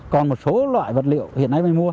còn một số loại vật liệu hiện nay mình mua